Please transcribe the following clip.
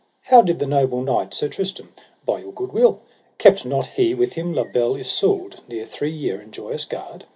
How did the noble knight Sir Tristram, by your good will? kept not he with him La Beale Isoud near three year in Joyous Gard?